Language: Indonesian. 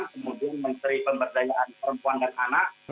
kemudian menteri pemberdayaan perempuan dan anak